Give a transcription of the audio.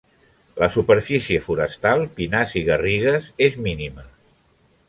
La superfície forestal -pinars i garrigues- és mínima.